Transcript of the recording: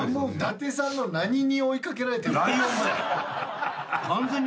伊達さんの何に追いかけられてんの？